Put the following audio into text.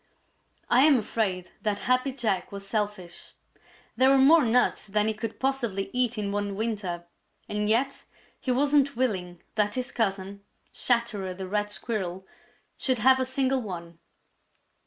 I am afraid that Happy Jack was selfish. There were more nuts than he could possibly eat in one winter, and yet he wasn't willing that his cousin, Chatterer the Red Squirrel, should have a single one.